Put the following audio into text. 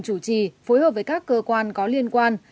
chủ trì phối hợp với các cơ quan có liên quan